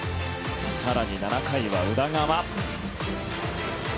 更に７回は宇田川。